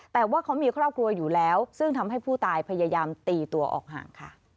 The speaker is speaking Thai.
แต่ว่าเขามีครอบครัวอยู่แล้วซึ่งทำให้ผู้ตายพยายามตีตัวออกห่างค่ะ